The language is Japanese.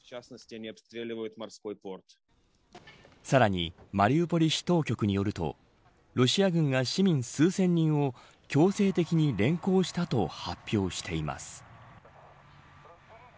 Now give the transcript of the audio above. さらにマリウポリ市当局によるとロシア軍が市民数千人を強制的に連行したと発表しています。